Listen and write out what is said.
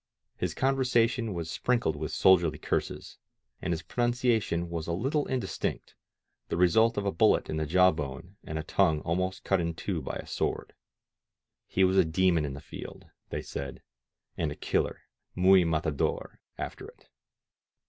His con versation was sprinkled with soldierly curses, and his pronunciation was a little indistinct, the result of a bullet on the jaw bone and a tongue almost cut in two by a sword. He was a demon in the field, they said, and a killer {muy matador) after it.